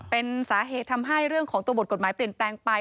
เป็นสาเหตุทำให้เรื่องของตัวบทกฎหมายเปลี่ยนแปลงไป